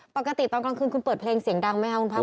ปกติตอนกลางคืนคุณเปิดเพลงเสียงดังไหมคะคุณภาค